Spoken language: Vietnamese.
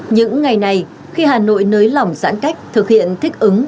những ngày này khi hà nội nới lỏng giãn cách thực hiện thích ứng